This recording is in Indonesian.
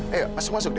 ayo masuk masuk de